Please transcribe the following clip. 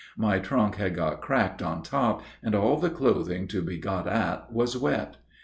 My trunk had got cracked on top, and all the clothing to be got at was wet.